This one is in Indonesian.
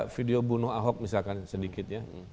video bunuh ahok misalkan sedikitnya